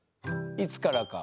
いつからか。